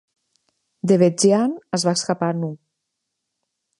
Devedjian es va escapar nu.